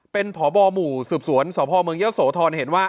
เป็นพบหมู่สืบสวนสพเมืองเยอะโสธรเห็นว่า